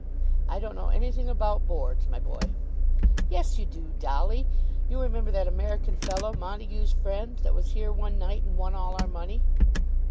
"I don't know anything about Boards, my boy." "Yes, you do, Dolly. You remember that American fellow, Montague's friend, that was here one night and won all our money."